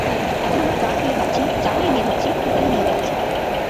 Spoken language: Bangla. এখন আমরা ফ্রান্স নিয়ে ভাবছি, জার্মানি নিয়ে ভাবছি, ইতালি নিয়ে ভাবছি।